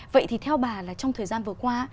vậy thì theo bà là trong thời gian vừa qua